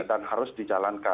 dan harus dijalankan